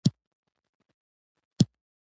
باغونه د ښکلا نښه ده.